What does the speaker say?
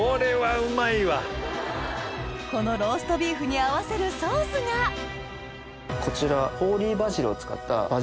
このローストビーフに合わせるソースがこちら。